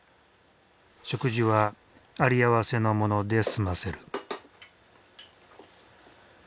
食事は有り合わせのもので済ませる。